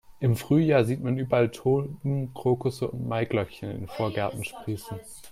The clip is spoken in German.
Im Frühjahr sieht man überall Tulpen, Krokusse und Maiglöckchen in den Vorgärten sprießen.